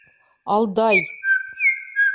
Алдай!